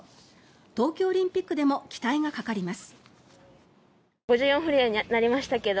東京オリンピックでも期待がかかります。